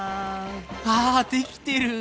ああできてる。